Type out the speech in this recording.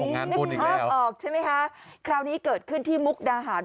งานบุญอีกแล้วใช่ไหมคะคราวนี้เกิดขึ้นที่มุกดาหาร